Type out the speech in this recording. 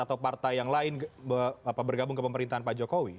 atau partai yang lain bergabung ke pemerintahan pak jokowi